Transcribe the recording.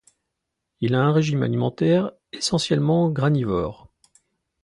Il a un régime alimentaire essentiellement granivore.